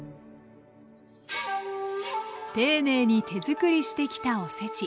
丁寧に手づくりしてきたおせち。